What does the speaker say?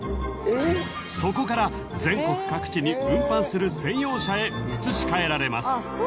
［そこから全国各地に運搬する専用車へ移し替えられます］